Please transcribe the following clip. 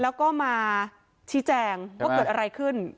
แล้วก็มาชี้แจงว่าเกิดอะไรขึ้น